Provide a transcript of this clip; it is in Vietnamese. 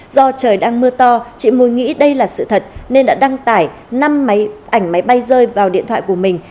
do trời đang mưa to chị mùi nghĩ đây là sự thật nên đã đăng tải năm máy ảnh máy bay rơi vào điện thoại của mình